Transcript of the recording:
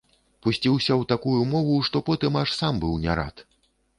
Пусціўся ў такую мову, што потым аж сам быў не рад.